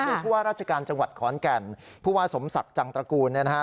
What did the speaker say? คือผู้ว่าราชการจังหวัดขอนแก่นผู้ว่าสมศักดิ์จังตระกูลเนี่ยนะฮะ